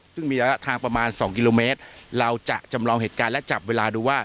ซึ่งมีระยะทางประมาณ๒กิโลเมตรเราจะจำลองเหตุการณ์และจับเวลาดูว่า